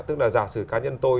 tức là giả sử cá nhân tôi